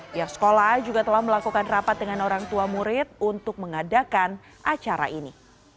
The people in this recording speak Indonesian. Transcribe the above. pihak sekolah juga telah melakukan rapat dengan orang tua murid untuk mengadakan acara ini